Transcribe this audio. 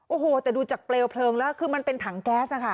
โอ้โหแต่ดูจากเปลวเพลิงแล้วคือมันเป็นถังแก๊สค่ะ